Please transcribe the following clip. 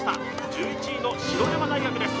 １１位の白山大学です